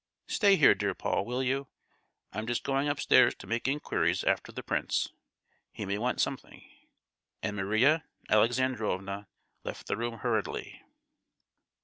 Stay here, dear Paul, will you? I'm just going upstairs to make inquiries after the prince, he may want something." And Maria Alexandrovna left the room hurriedly.